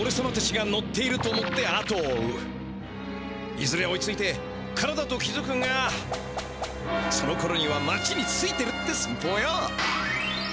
いずれ追いついて空だと気づくがそのころには町に着いてるってすんぽうよ。